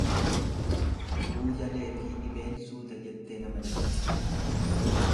Buujaleefi dhibeen suuta jettee nama lixxi.